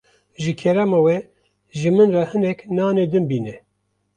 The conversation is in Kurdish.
Ji kerema we, ji min re hinek nanê din bîne.